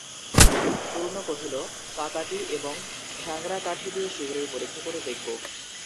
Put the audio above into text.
পূর্ণ কহিল, পাকাটি এবং খ্যাংরা কাঠি দিয়ে শীঘ্রই পরীক্ষা করে দেখব।